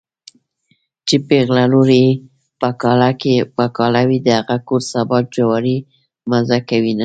چې پېغله لور يې په کاله وي د هغه کور سابه جواری مزه کوينه